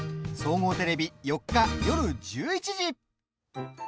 総合テレビ４日、夜１１時。